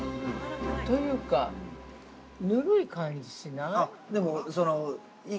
◆というか、ぬるい感じしない？